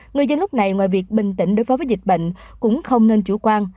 người dân lúc này ngoài việc bình tĩnh đối phó với dịch bệnh cũng không nên chủ quan